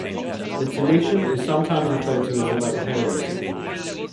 The Thanetian is sometimes referred to as the Late Paleocene.